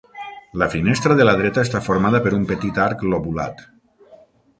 La finestra de la dreta està formada per un petit arc lobulat.